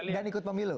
dan ikut memilu